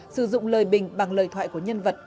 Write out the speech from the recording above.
sử dụng lời bình bằng lời thoại của nhân vật